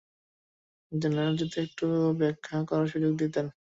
General, যদি একটু ব্যাখ্যা করার সুযোগ দিতেন।